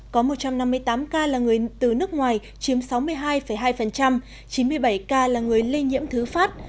có một trăm năm mươi tám ca là người từ nước ngoài chiếm sáu mươi hai hai chín mươi bảy ca là người lây nhiễm thứ phát